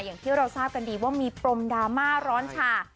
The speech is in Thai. อย่างที่เราทราบกันดีว่ามีปรมดราม่าร้อนชา